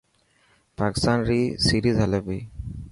پاڪستان ري سيريز هلي پئي.